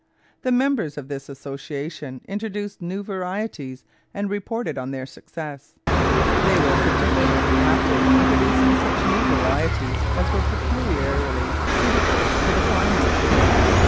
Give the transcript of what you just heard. The members of this association introduced new varieties and reported on their success. They were particularly active in producing such new varieties as were peculiarly suitable to the climate.